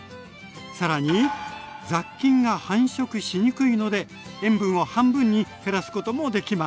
更に雑菌が繁殖しにくいので塩分を半分に減らすこともできます。